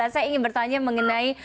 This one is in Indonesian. saya ingin bertanya mengenai